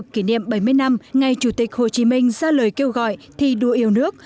kỷ niệm bảy mươi năm ngày chủ tịch hồ chí minh ra lời kêu gọi thi đua yêu nước